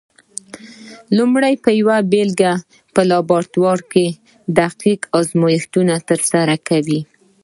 لومړی پر یوه بېلګه په لابراتوار کې دقیق ازمېښتونه ترسره کوي؟